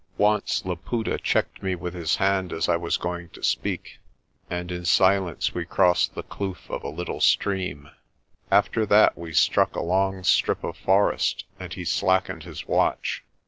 Once Laputa checked me with his hand as I was going to speak, and in silence we crossed the kloof of a little stream. 204 PRESTER JOHN After that we struck a long strip of forest and he slackened his watch.